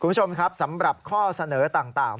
คุณผู้ชมครับสำหรับข้อเสนอต่าง